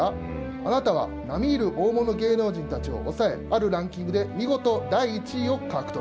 あなたは、並みいる大物芸能人たちを抑え、あるランキングで見事第１位を獲得。